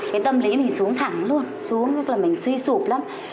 cái tâm lý mình xuống thẳng luôn xuống tức là mình suy sụp lắm